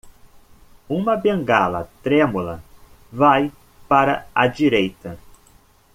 Uma bengala trêmula vai para a direita.